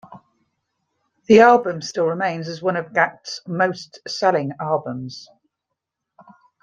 The album still remains as one of Gackt's most selling albums.